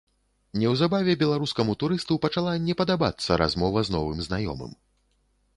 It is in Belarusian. Неўзабаве беларускаму турысту пачала не падабацца размова з новым знаёмым.